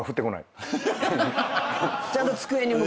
ちゃんと机に向かって。